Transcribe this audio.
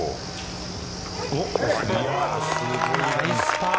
ナイスパー。